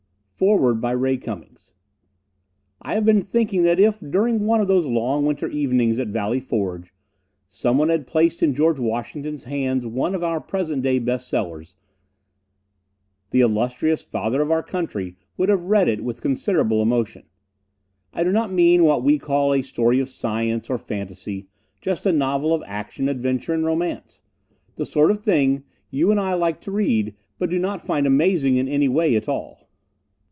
_] Foreword by Ray Cummings I have been thinking that if, during one of those long winter evenings at Valley Forge, someone had placed in George Washington's hands one of our present day best sellers, the illustrious Father of our Country would have read it with considerable emotion. I do not mean what we call a story of science, or fantasy just a novel of action, adventure and romance. The sort of thing you and I like to read, but do not find amazing in any way at all.